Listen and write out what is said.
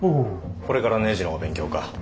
これからねじのお勉強か。